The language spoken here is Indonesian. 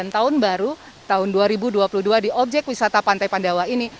tahun baru tahun dua ribu dua puluh dua di objek wisata pantai pandawa ini